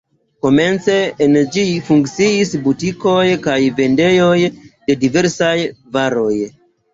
Komence en ĝi funkciis butikoj kaj vendejoj de diversaj varoj.